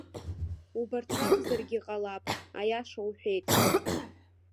Убарҭ ракәзаргьы ҟалап, аиаша уҳәеит!